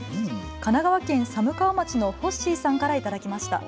神奈川県寒川町のほっしーさんから頂きました。